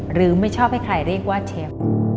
ไม่ชอบให้ใครเรียกว่าเชฟ